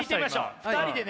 ２人でね